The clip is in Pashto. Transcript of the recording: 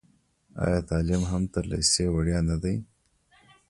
آیا تعلیم هم تر لیسې وړیا نه دی؟